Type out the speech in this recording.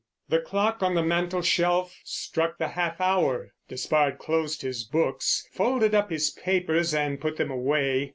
The clock on the mantelshelf struck the half hour. Despard closed his books, folded up his papers and put them away.